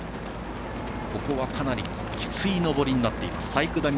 ここはかなりきつい上りになっています。